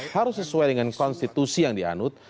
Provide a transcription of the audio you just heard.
harus sesuai dengan konstitusi yang dianut